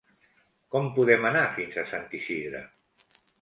Com podem anar fins a Sant Isidre?